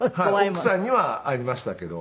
奥さんにはありましたけど。